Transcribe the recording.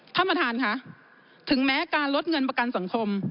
ท่านประธานค่ะถึงแม้การลดเงินประกันสังคม